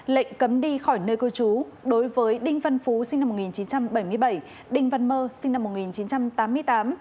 lệnh cấm đi khỏi nơi cư trú đối với đinh văn phú sinh năm một nghìn chín trăm bảy mươi bảy đinh văn mơ sinh năm một nghìn chín trăm tám mươi tám